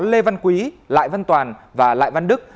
lê văn quý lại văn toàn và lại văn đức